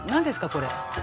これ。